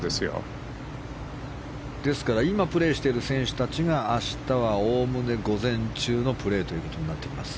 ですから今プレーしている選手たちが明日はおおむね午前中のプレーということになっています。